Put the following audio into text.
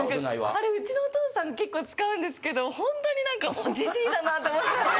あれウチのお父さん結構使うんですけどホントに何か。って思っちゃって。